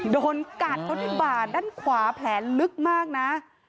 โดนกัดเขาที่บ่าด้านขวาแผลลึกมากนะ